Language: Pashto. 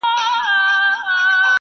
له سپاهيانو يې ساتلم پټولم!.